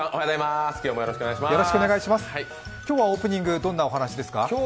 今日はオープニング、どんなお話ですか？